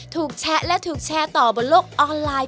แชะและถูกแชร์ต่อบนโลกออนไลน์